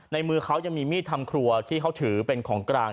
มือเขายังมีมีดทำครัวที่เขาถือเป็นของกลาง